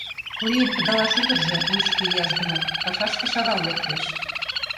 Курийын кыдалаш ӱдыржӧ, лучко ияш гынат, пашашке шагал лектеш.